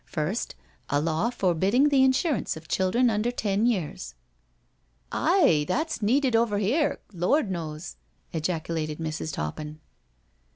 First, a law forbidding the insurance of children under ten years." •• Aye, that's needed over here, Lord knows I" ejacu lated Mrs. Toppin.